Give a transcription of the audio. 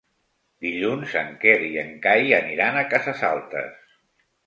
Dilluns en Quer i en Cai aniran a Cases Altes.